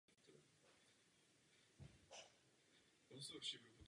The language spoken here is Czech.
Byl osmým z dvanácti sourozenců.